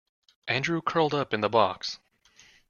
Andrew curled up in the box.